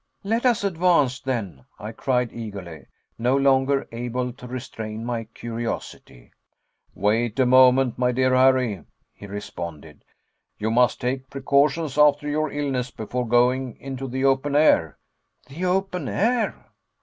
"Let us advance, then," I cried eagerly, no longer able to restrain my curiosity. "Wait a moment, my dear Harry," he responded; "you must take precautions after your illness before going into the open air." "The open air?"